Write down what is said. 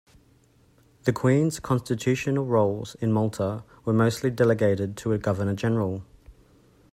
The Queen's constitutional roles in Malta were mostly delegated to a Governor-General.